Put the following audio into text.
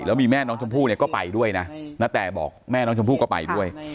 แล้วมีแม่น้องชมพู่เนี่ยก็ไปด้วยนะณแต่บอกแม่น้องชมพู่ก็ไปด้วย